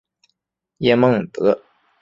叶梦得。